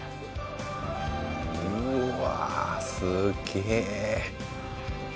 うわあすげえ。